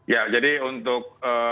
ya jadi untuk